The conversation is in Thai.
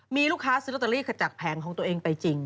มีลูกค้าซื้อลอตเตอรี่จากแผงของตัวเองไปจริง